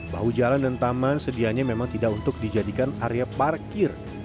bahu jalan dan taman sedianya memang tidak untuk dijadikan area parkir